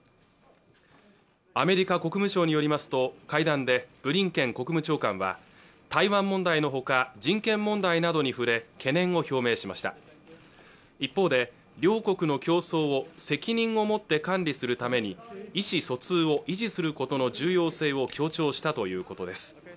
アメリカ国務省によりますと会談でブリンケン国務長官は台湾問題のほか人権問題などに触れ懸念を表明しました一方で両国の競争を責任をもって管理するために意思疎通を維持することの重要性を強調したということです